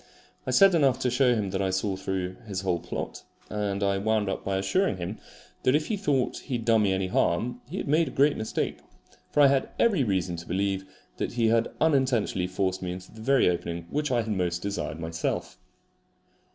I said enough to show him that I saw through his whole plot; and I wound up by assuring him that if he thought he had done me any harm he had made a great mistake; for I had every reason to believe that he had unintentionally forced me into the very opening which I had most desired myself.